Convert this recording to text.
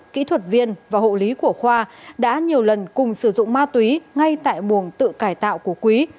kỹ thuật viên và hộ lý của khoa đã nhiều lần cùng sử dụng ma túy ngay tại buồng tự cải tạo của quý